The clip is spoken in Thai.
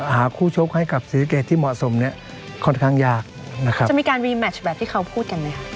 หาคู่ชกให้กับศรีสะเกดที่เหมาะสมเนี้ยค่อนข้างยากนะครับจะมีการรีแมชแบบที่เขาพูดกันไหมคะ